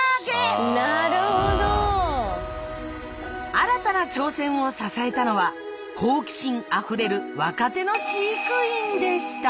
新たな挑戦を支えたのは好奇心あふれる若手の飼育員でした。